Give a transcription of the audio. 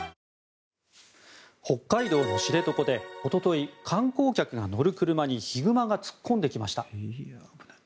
北海道の知床でおととい観光客が乗る車にヒグマが突っ込んできました。